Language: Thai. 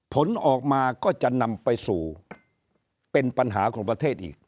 ผลออกมาก็จะนำไปสู่เป็นปัญหาของประเทศอีก